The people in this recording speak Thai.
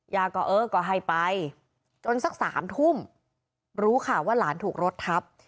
ยาก็เออก็ให้ไปจนสัก๓ทุ่มรู้ค่ะว่าหลานถูกรถทับ